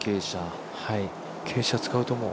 傾斜使うと思う？